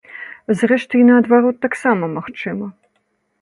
Зрэшты, і наадварот таксама магчыма.